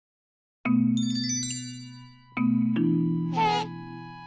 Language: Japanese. へ！